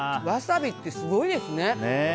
ワサビってすごいですね。